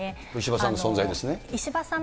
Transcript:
石破さんの存在ですね。